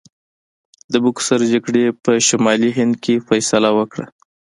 د بوکسر جګړې په شمالي هند کې فیصله وکړه.